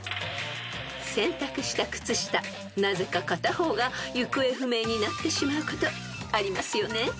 なぜか片方が行方不明になってしまうことありますよね？］